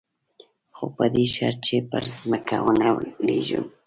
خو په دې شرط چې پر ځمکه ونه لېږم.